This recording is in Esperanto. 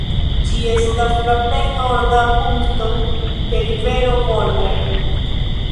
Ĝi estas la plej norda punkto de rivero Volgo.